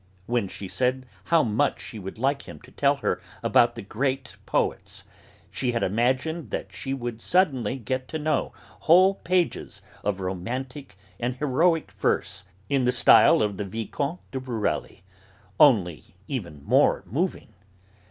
When she said how much she would like him to tell her about the great poets, she had imagined that she would suddenly get to know whole pages of romantic and heroic verse, in the style of the Vicomte de Borelli, only even more moving.